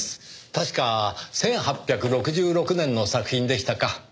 確か１８６６年の作品でしたか。